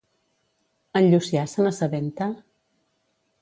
En Llucià se n'assabenta?